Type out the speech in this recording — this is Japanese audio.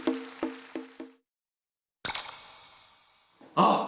あっ！